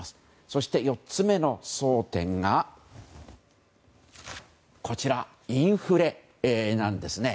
そして、４つ目の争点がインフレなんですね。